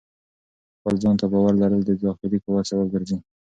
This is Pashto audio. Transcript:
خپل ځان ته باور لرل د داخلي قوت سبب ګرځي.